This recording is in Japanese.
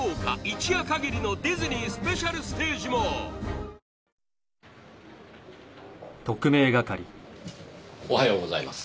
新登場おはようございます。